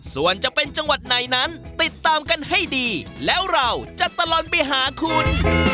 ส่วนจะเป็นจังหวัดไหนนั้นติดตามกันให้ดีแล้วเราจะตลอดไปหาคุณ